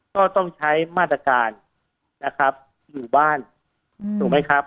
ก็ต้องใช้มาตรการนะครับอยู่บ้านถูกไหมครับ